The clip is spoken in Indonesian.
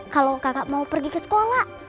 kalau kakak mau pergi ke sekolah